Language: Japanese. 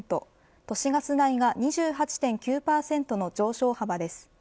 都市ガス代が２８．９％の上昇幅です。